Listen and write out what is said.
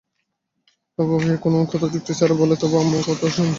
আপু-ভাইয়া কোনো কথা যুক্তি ছাড়া বললেও, তবু আব্বু-আম্মু তাদের কথাই শোনে।